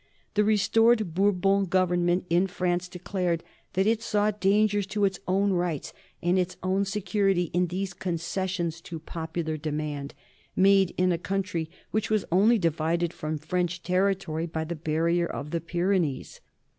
The restored Bourbon Government in France declared that it saw dangers to its own rights and its own security in these concessions to popular demand, made in a country which was only divided from French territory by the barrier of the Pyrenees.